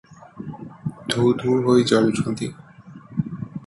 ଧୂ-ଧୂ ହୋଇ ଜଳୁଛନ୍ତି ।